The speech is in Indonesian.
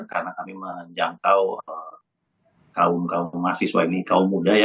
karena kami menjangkau kaum kaum mahasiswa ini kaum muda ya